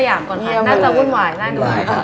น่าจะวุ่นหวายน่าจะวุ่นหวายครับ